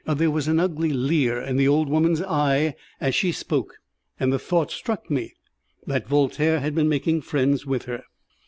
There was an ugly leer in the old woman's eye as she spoke, and the thought struck me that Voltaire had been making friends with her.